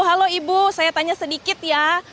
halo ibu saya tanya sedikit ya